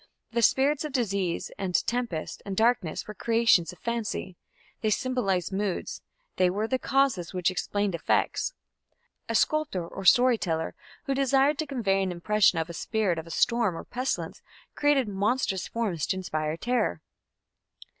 The spirits of disease and tempest and darkness were creations of fancy: they symbolized moods; they were the causes which explained effects. A sculptor or storyteller who desired to convey an impression of a spirit of storm or pestilence created monstrous forms to inspire terror.